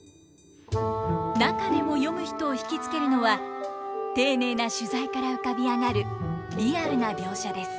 中でも読む人を引き付けるのは丁寧な取材から浮かび上がるリアルな描写です。